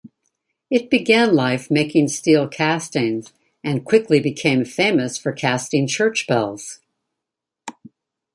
It began life making steel castings and quickly became famous for casting church bells.